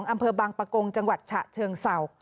อำเภอบางปะกงจังหวัดฉะเชิงเศร้า